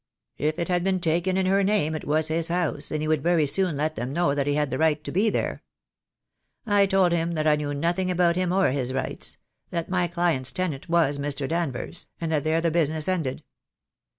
If it had been taken in her name it was his house, and he would very soon let them know that he had the right to be there. I told him that I knew nothing about him or his rights; that my client's tenant was Mr. Danvers, and that there the business 86 THE DAY WILL COME, ended.